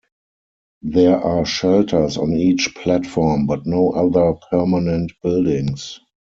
There are shelters on each platform, but no other permanent buildings.